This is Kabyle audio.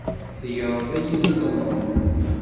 Tegreḍ-iyi deg ṭnun.